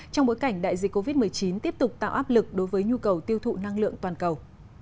trong bối cảnh đại dịch covid một mươi chín tiếp tục tạo áp lực đối với nhu cầu tiêu thụ năng lượng toàn cầu